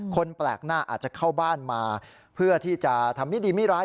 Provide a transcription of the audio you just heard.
คนแปลกหน้าอาจจะเข้าบ้านมาเพื่อที่จะทำไม่ดีไม่ร้าย